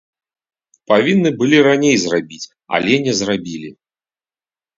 Павінны былі раней зрабіць, але не зрабілі.